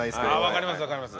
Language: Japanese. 分かります分かります。